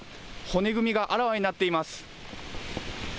骨組みがあらわになっています。